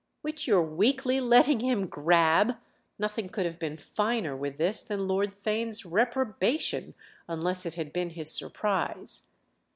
"Which you're weakly letting him grab?"—nothing could have been finer with this than Lord Theign's reprobation unless it had been his surprise.